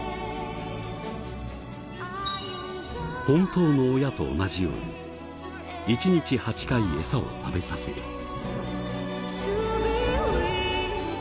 本当の親と同じように１日８回エサを食べさせる。